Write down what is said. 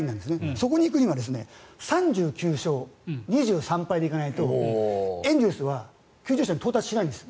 そこに行くには３９勝２３敗で行かないとエンゼルスは９０勝に到達しないんです。